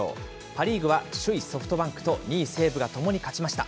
パ・リーグは首位ソフトバンクと２位西武がともに勝ちました。